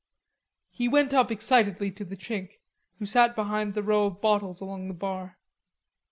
He went up excitedly to the Chink, who sat behind the row of bottles along the bar.